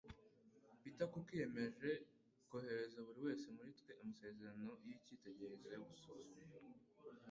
Peter Cooke yiyemeje kohereza buri wese muri twe amasezerano y'icyitegererezo yo gusuzuma